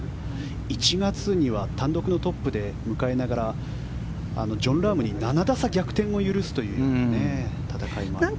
１月には単独のトップで迎えながらジョン・ラームに７打差逆転を許すという戦いもありました。